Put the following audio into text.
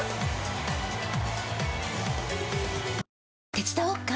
手伝おっか？